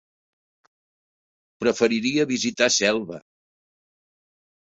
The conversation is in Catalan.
Preferiria visitar Selva.